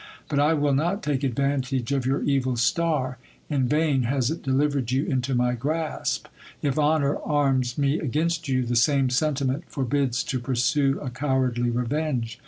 But I will not take ad vantage of your evil star : in vain has it delivered you into my grasp : if honour arms me against you, the same sentiment forbids to pursue a cowardly revenge.